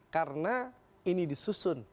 karena ini disusun